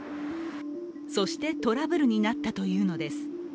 そしてトラブルになったというのです。